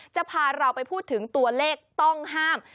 จะพาเราไปพูดถึงตัวเลขต้องห้าม